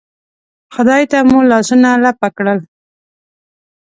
خدای ته مو لاسونه لپه کړل.